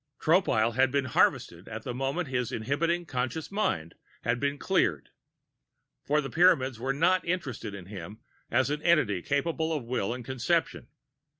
Tropile had been harvested at the moment his inhibiting conscious mind had been cleared, for the Pyramids were not interested in him as an entity capable of will and conception.